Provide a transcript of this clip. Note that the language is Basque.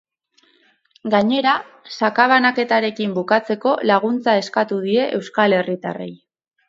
Gainera, sakabanaketarekin bukatzeko laguntza eskatu die euskal herritarrei.